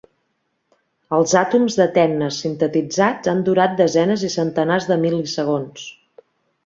Els àtoms de tennes sintetitzats han durat desenes i centenars de mil·lisegons.